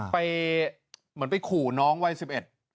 เหมือนไปขู่น้องวัยสิบเอ็ด